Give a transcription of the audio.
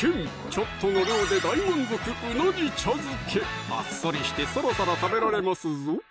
ちょっとの量で大満足「うなぎ茶漬け」あっさりしてサラサラ食べられますぞ！